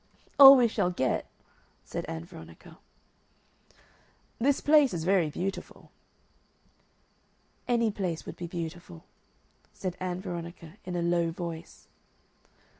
"All we shall get," said Ann Veronica. "This place is very beautiful." "Any place would be beautiful," said Ann Veronica, in a low voice.